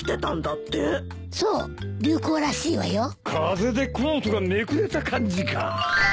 風でコートがめくれた感じか！